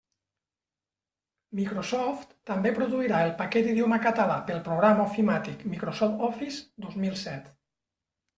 Microsoft també produirà el paquet d'idioma català pel programa ofimàtic Microsoft Office dos mil set.